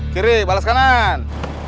kiri balas kanan